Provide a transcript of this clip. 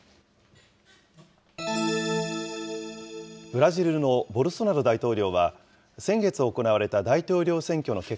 ブラジルのボルソナロ大統領は、先月行われた大統領選挙の結